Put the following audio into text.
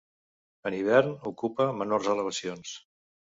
En hivern ocupa menors elevacions.